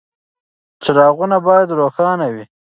څراغونه باید روښانه وي.